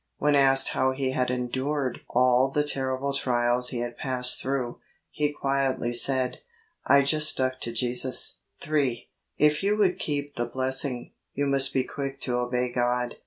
When asked how he had endured all the terrible trials he had passed through, he quietly said, ' I just stuck to Jesus.' 3. If you would keep the blessing, you must be quick to obey God.